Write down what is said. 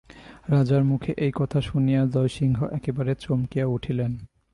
রাজার মুখে এই কথা শুনিয়া জয়সিংহ একেবারে চমকিয়া উঠিলেন।